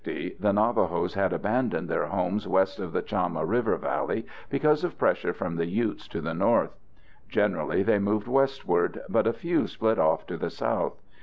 ] By 1750, the Navajos had abandoned their homes west of the Chama River Valley because of pressure from the Utes to the north. Generally they moved westward, but a few split off to the south.